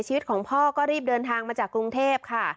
ชีวิตของพ่อก็รีบเดินทางมาจากกรุงเทพค่ะ